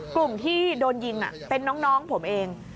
กลุ่มที่โดนยิงเป็นน้องผมเอง